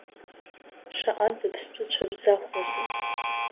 Шаҟа дыԥстәы-цәыбзахәузеи.